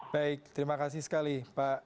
baik terima kasih sekali pak